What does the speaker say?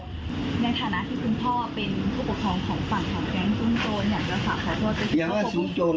ในฐานะที่คุณพ่อเป็นผู้ปกครองของฝั่งของแก๊งสูงโจร